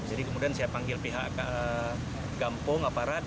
jadi kemudian saya panggil pihak gampong aparat